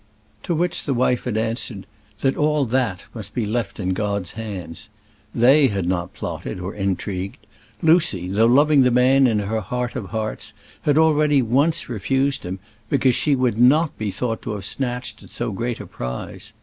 To which the wife had answered, that all that must be left in God's hands. They had not plotted or intrigued. Lucy, though loving the man in her heart of hearts, had already once refused him, because she would not be thought to have snatched at so great a prize.